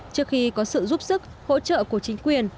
trước khi có sự giúp sức hỗ trợ của chính quyền